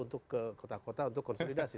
untuk ke kota kota untuk konsolidasi